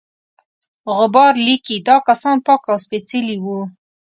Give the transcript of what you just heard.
غبار لیکي دا کسان پاک او سپیڅلي وه.